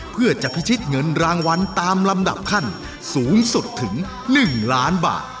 เพื่อจะพิชิตเงินรางวัลตามลำดับขั้นสูงสุดถึง๑ล้านบาท